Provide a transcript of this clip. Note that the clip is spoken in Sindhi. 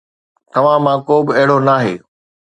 توهان مان ڪو به اهڙو ناهي